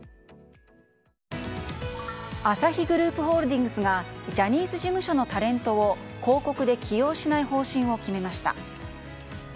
アサヒグループホールディングスがジャニーズ事務所のタレントを広告で起用しない方針を決めました。